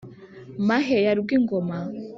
mahe ya rwingoma